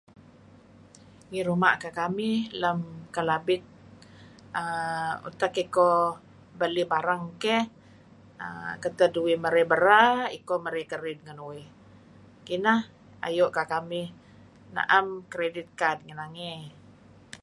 Ngi ruma' kekamih lem Kelabit uhm utak iko balih barang keh, katad uih marey bera iko marey karid ngen uih. Kineh ayu' kamih naem Credit Card ngi nangey.